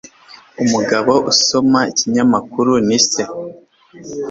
Umugabo usoma ikinyamakuru ni se.